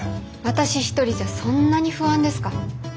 私一人じゃそんなに不安ですか？